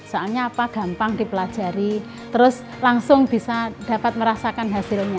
soalnya apa gampang dipelajari terus langsung bisa dapat merasakan hasilnya